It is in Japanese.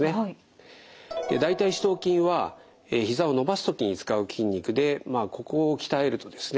大腿四頭筋はひざを伸ばす時に使う筋肉でここを鍛えるとですね